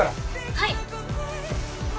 はい。